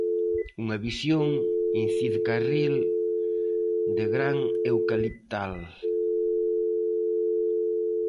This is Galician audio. Unha visión, incide Carril, de gran eucaliptal.